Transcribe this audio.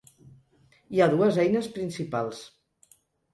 Hi ha dues eines principals.